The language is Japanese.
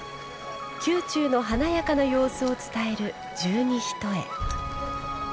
宮中の華やかな様子を伝える十二単。